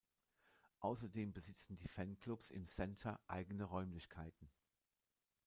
Außerdem besitzen die Fanclubs im Center eigene Räumlichkeiten.